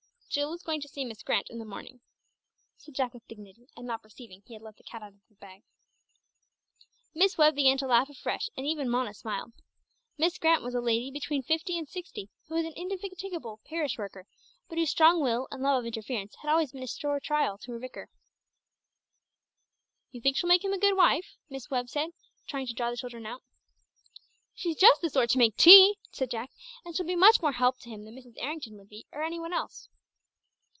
"Jill is going to see Miss Grant in the morning," said Jack with dignity, and not perceiving he had let the cat out of the bag. Miss Webb began to laugh afresh, and even Mona smiled. Miss Grant was a lady between fifty and sixty who was an indefatigable parish worker, but whose strong will and love of interference had always been a sore trial to her vicar. "You think she'll make him a good wife?" Miss Webb said, trying to draw the children out. "She's just the sort to make tea," said Jack, "and she'll be much more help to him than Mrs. Errington would be, or any one else."